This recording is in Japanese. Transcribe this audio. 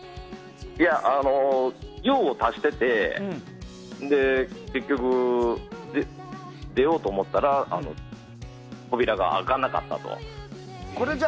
用を足してて結局出ようと思ったら扉があかなかったと。